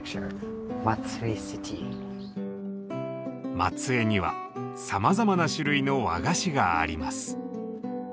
松江にはさまざまな種類の和菓子があります。